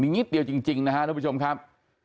มินิดเดียวจริงจริงนะฮะทุกผู้ชมครับ